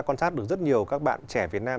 quan sát được rất nhiều các bạn trẻ việt nam